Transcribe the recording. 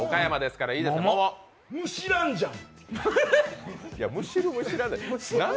むしらんじゃん。